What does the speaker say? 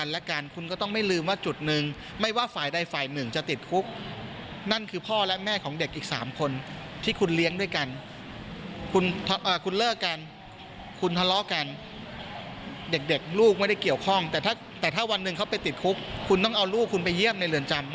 อย่าลืมนะว่าอีกฝ่ายต้องพาลูกไปเยี่ยมในคุก